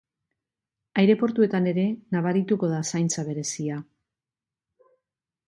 Aireportuetan ere nabarituko da zaintza berezia.